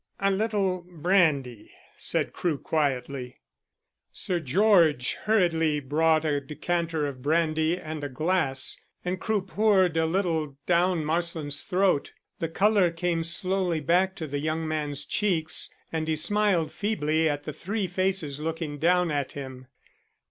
"A little brandy," said Crewe quietly. Sir George hurriedly brought a decanter of brandy and a glass, and Crewe poured a little down Marsland's throat. The colour came slowly back to the young man's cheeks, and he smiled feebly at the three faces looking down at him.